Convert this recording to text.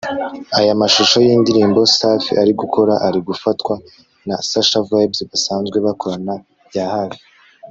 Aya mashusho y’indirimbo Safi ari gukora ari gufatwa na Sasha Vybz basanzwe bakorana bya hafi